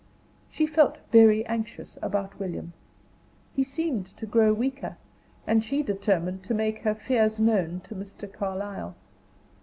She felt very anxious about William. He seemed to grow weaker, and she determined to make her fears known to Mr. Carlyle.